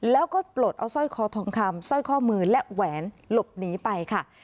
แล้วก็ปลดเอาสร้อยคอทองคำสร้อยข้อมือและแหวนหลบหนีไปค่ะ